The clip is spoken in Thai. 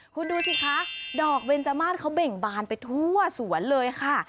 คุณดูสิคะดอกเบนจมาสเขาเบ่งบานไปทั่วสวนเลยค่ะ